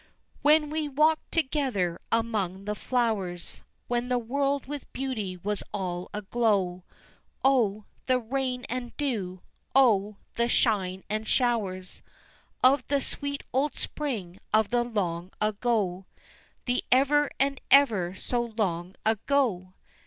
When we walked together among the flowers, When the world with beauty was all aglow, O, the rain and dew! O, the shine and showers Of the sweet old spring of the long ago, The ever and ever so long ago!